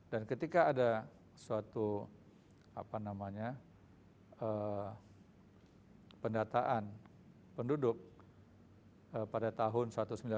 dan ketika ada suatu pendataan penduduk pada tahun seribu sembilan ratus dua puluh